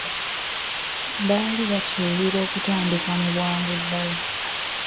Baali basuubira okutandika mu bwangu ddala.